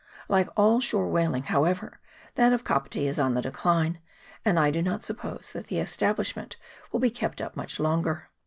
Like all shore whaling, however, that of Kapiti is on the decline, and I do not suppose that the establishment will be kept up much longer.